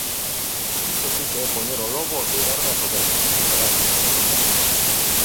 ¡Iso si que é poñer o lobo a coidar das ovellas, señora Daira!